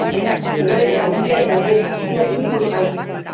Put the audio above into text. Web orrian daude guztiak ikusgai.